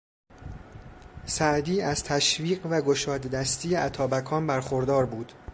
سعدی از تشویق و گشاده دستی اتابکان برخوردار بود.